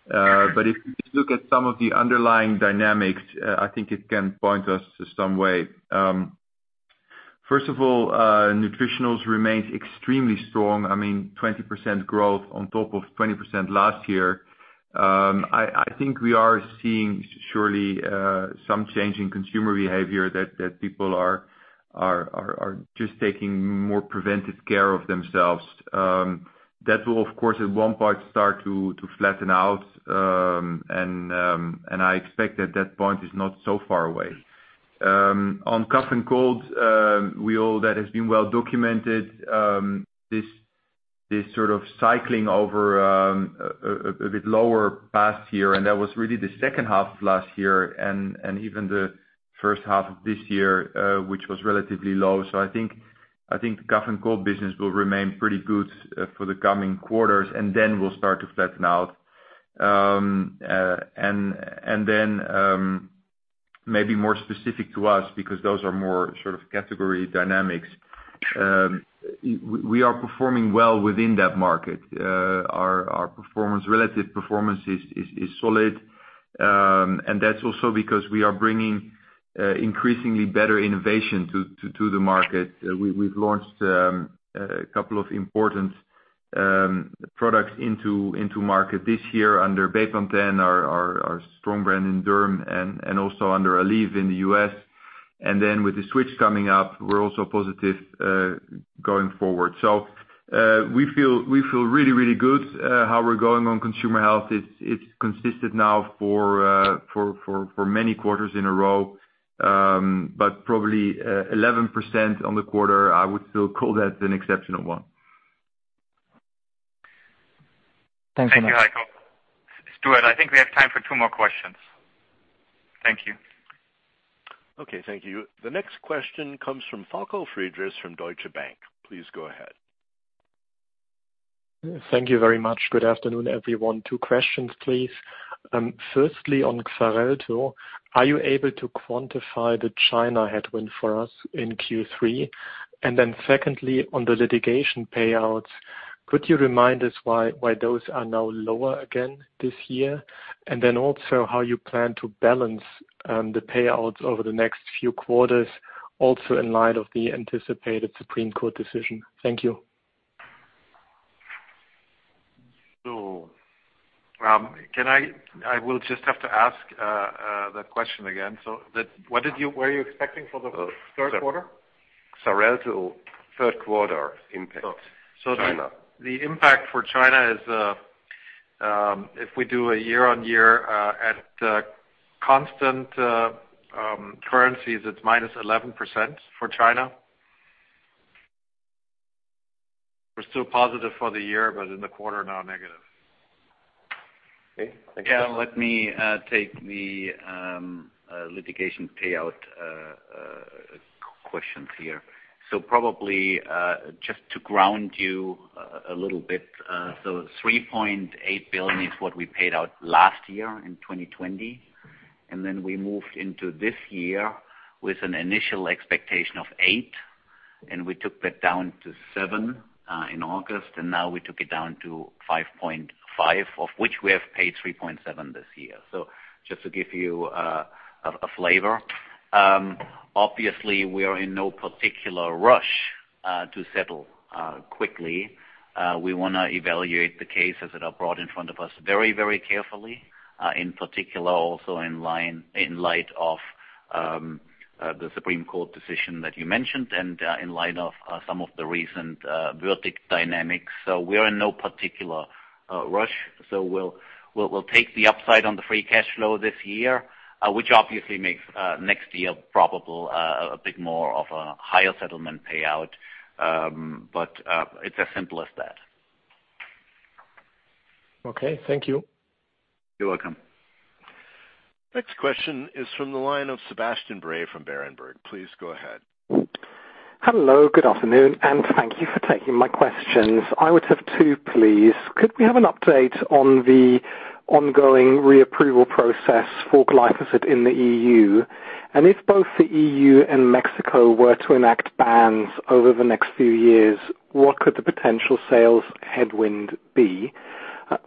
If you just look at some of the underlying dynamics, I think it can point us to some way. First of all, Nutritionals remains extremely strong. I mean, 20% growth on top of 20% last year. I think we are seeing surely some change in consumer behavior that people are just taking more preventive care of themselves. That will of course at one point start to flatten out. I expect that point is not so far away. On cough and cold, that has been well documented, this sort of cycling over a bit lower past year, and that was really the second half of last year and even the first half of this year, which was relatively low. I think the cough and cold business will remain pretty good for the coming quarters and then will start to flatten out. Then maybe more specific to us, because those are more sort of category dynamics, we are performing well within that market. Our relative performance is solid. That's also because we are bringing increasingly better innovation to the market. We've launched a couple of important products into market this year under Bepanthen, our strong brand in Derm and also under Aleve in the U.S. With the switch coming up, we're also positive going forward. We feel really good how we're going on Consumer Health. It's consistent now for many quarters in a row. Probably 11% on the quarter, I would still call that an exceptional one. Thanks so much. Thank you, Heiko. Stuart, I think we have time for two more questions. Thank you. Okay, thank you. The next question comes from Falko Friedrichs from Deutsche Bank. Please go ahead. Thank you very much. Good afternoon, everyone. Two questions, please. Firstly, on Xarelto, are you able to quantify the China headwind for us in Q3? And then secondly, on the litigation payouts. Could you remind us why those are now lower again this year? And then also how you plan to balance the payouts over the next few quarters, also in light of the anticipated Supreme Court decision. Thank you. I will just have to ask that question again. What were you expecting for the third quarter? Xarelto third quarter impact, China. The impact for China is, if we do a year-on-year at constant currencies, it's -11% for China. We're still positive for the year, but in the quarter, now negative. Okay. Thank you. Yeah. Let me take the litigation payout questions here. Probably just to ground you a little bit, 3.8 billion is what we paid out last year in 2020. Then we moved into this year with an initial expectation of 8 billion, and we took that down to 7 billion in August, and now we took it down to 5.5 billion, of which we have paid 3.7 billion this year. Just to give you a flavor. Obviously, we are in no particular rush to settle quickly. We want to evaluate the cases that are brought in front of us very, very carefully, in particular, also in light of the Supreme Court decision that you mentioned, and in light of some of the recent verdict dynamics. We are in no particular rush. We'll take the upside on the free cash flow this year, which obviously makes next year probably a bit more of a higher settlement payout. But it's as simple as that. Okay. Thank you. You're welcome. Next question is from the line of Sebastian Bray from Berenberg. Please go ahead. Hello, good afternoon, and thank you for taking my questions. I would have two, please. Could we have an update on the ongoing reapproval process for glyphosate in the EU? And if both the EU and Mexico were to enact bans over the next few years, what could the potential sales headwind be?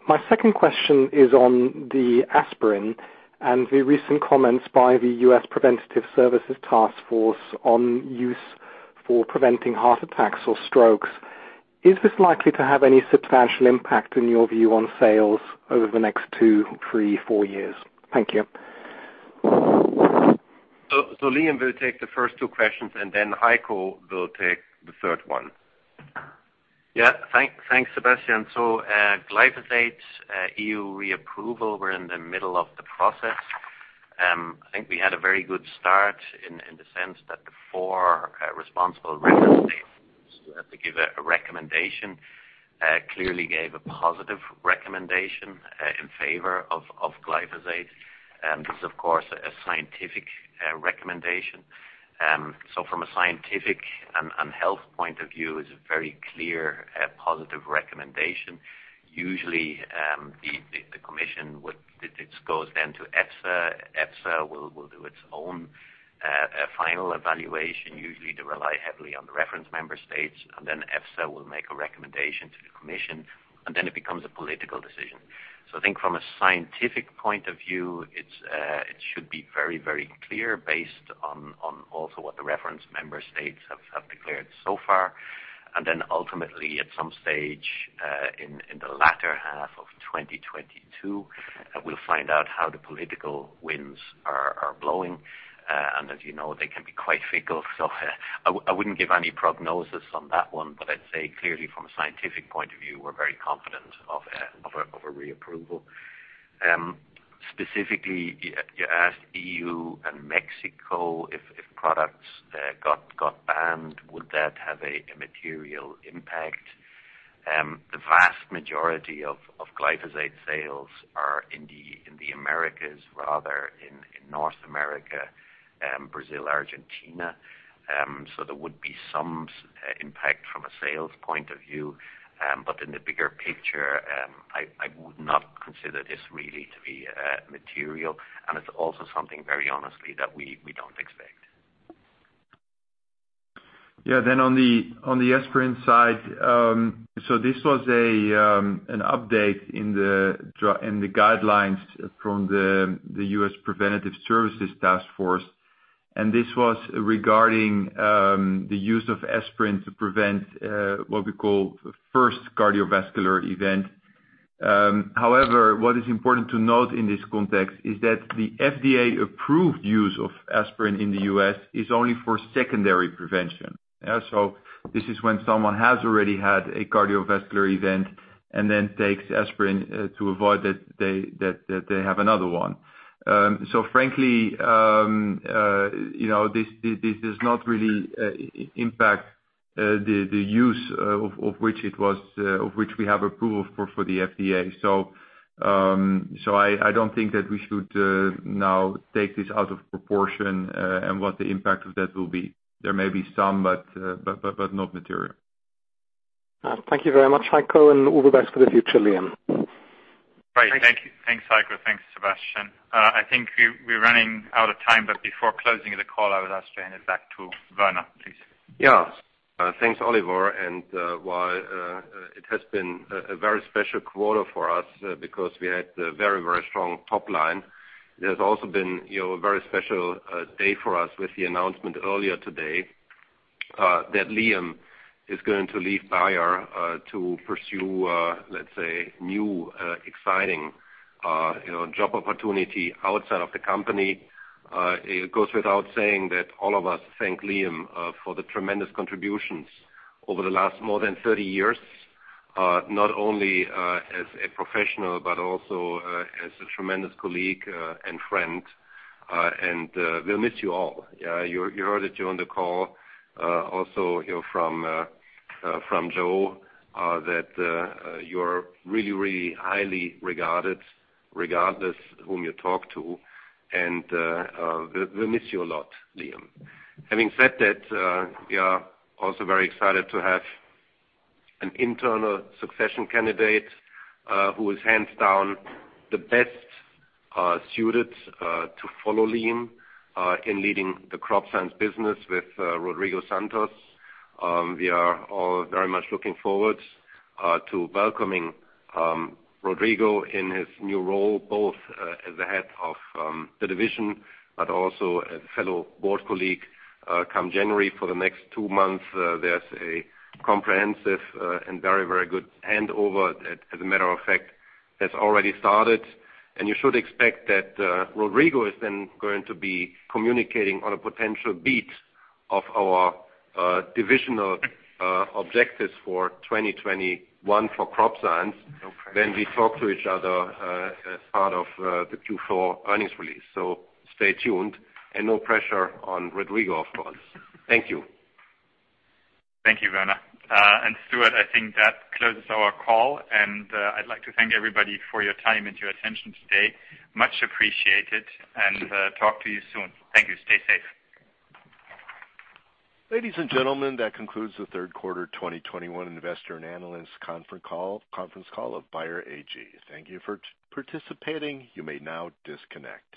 My second question is on the aspirin and the recent comments by the U.S. Preventive Services Task Force on use for preventing heart attacks or strokes. Is this likely to have any substantial impact, in your view, on sales over the next two, three, four years? Thank you. Liam will take the first two questions, and then Heiko will take the third one. Yeah. Thanks, Sebastian. Glyphosate EU reapproval, we're in the middle of the process. I think we had a very good start in the sense that the four responsible reference states who have to give a recommendation clearly gave a positive recommendation in favor of glyphosate. This is, of course, a scientific recommendation. From a scientific and health point of view, it's a very clear positive recommendation. Usually, this goes then to EFSA. EFSA will do its own final evaluation. Usually, they rely heavily on the reference member states, and then EFSA will make a recommendation to the commission, and then it becomes a political decision. I think from a scientific point of view, it should be very, very clear based on also what the reference member states have declared so far. Then ultimately, at some stage in the latter half of 2022, we'll find out how the political winds are blowing. As you know, they can be quite fickle. I wouldn't give any prognosis on that one, but I'd say clearly from a scientific point of view, we're very confident of a reapproval. Specifically, you asked EU and Mexico if products got banned, would that have a material impact? The vast majority of glyphosate sales are in the Americas, rather in North America, Brazil, Argentina. There would be some impact from a sales point of view. In the bigger picture, I would not consider this really to be material. It's also something, very honestly, that we don't expect. On the aspirin side, this was an update in the guidelines from the U.S. Preventive Services Task Force, and this was regarding the use of aspirin to prevent what we call first cardiovascular event. However, what is important to note in this context is that the FDA-approved use of aspirin in the U.S. is only for secondary prevention. This is when someone has already had a cardiovascular event and then takes aspirin to avoid that they have another one. Frankly, you know, this does not really impact the use of which we have approval for the FDA. I don't think that we should now take this out of proportion, and what the impact of that will be. There may be some, but not material. Thank you very much, Heiko, and all the best for the future, Liam. Great. Thank you. Thanks Heiko. Thanks Sebastian. I think we're running out of time, but before closing the call, I would ask to hand it back to Werner, please. Yeah. Thanks, Oliver. While it has been a very special quarter for us because we had a very strong top line, it has also been, you know, a very special day for us with the announcement earlier today that Liam is going to leave Bayer to pursue, let's say, new exciting, you know, job opportunity outside of the company. It goes without saying that all of us thank Liam for the tremendous contributions over the last more than 30 years, not only as a professional, but also as a tremendous colleague and friend. We'll miss you all. You heard it during the call, also, you know, from Jo that you're really highly regarded regardless whom you talk to. We'll miss you a lot, Liam. Having said that, we are also very excited to have an internal succession candidate, who is hands down the best suited to follow Liam in leading the Crop Science business with Rodrigo Santos. We are all very much looking forward to welcoming Rodrigo in his new role, both as the head of the division, but also a fellow board colleague come January. For the next two months, there's a comprehensive and very good handover, as a matter of fact, that's already started. You should expect that Rodrigo is then going to be communicating on a potential beat of our divisional objectives for 2021 for Crop Science when we talk to each other as part of the Q4 earnings release. Stay tuned and no pressure on Rodrigo, of course. Thank you. Thank you, Werner. Stuart, I think that closes our call. I'd like to thank everybody for your time and your attention today. Much appreciated, talk to you soon. Thank you. Stay safe. Ladies and gentlemen, that concludes the third quarter 2021 investor and analyst conference call of Bayer AG. Thank you for participating. You may now disconnect.